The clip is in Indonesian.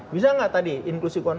bisa nggak tadi inklusi